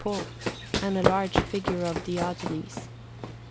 Paul, and a large figure of Diogenes.